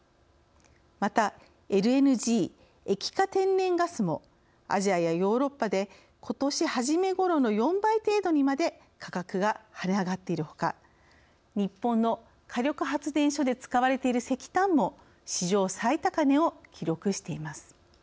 またＬＮＧ液化天然ガスもアジアやヨーロッパでことし初めごろの４倍程度にまで価格が跳ね上がっているほか日本の火力発電所で使われている石炭も史上最高値を記録しています。